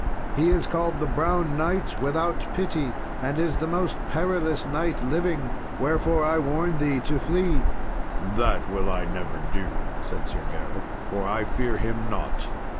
He is called the Brown Knight without pity, and is the most perilous knight living, wherefore I warn thee to flee." "That will I never do," said Sir Gareth, "for I fear him not."